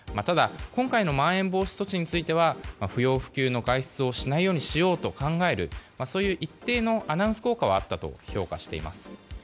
ただ、今回のまん延防止措置については不要不急の外出をしないようにしようと考えるそういう一定のアナウンス効果はあったと評価しています。